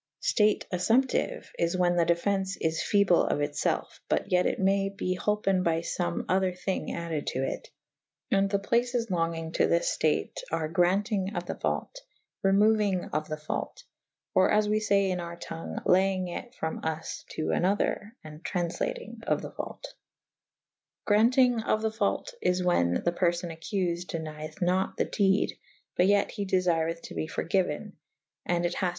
State affumptyue is whan the defence is feble of it felfe / but yet it may be holpen by fome other thynge added to it. And the places longynge to this ftate are grauntynge of the faute / remou yng of the faute / or (as we fay in our tongue) layeng it from vs to an other /& trawflatynge of the faute. [E V b] Grau«tyng of the faute is whan the perfon accufed denieth nat the dede / but yet he defyreth to be forgyuen /& it hath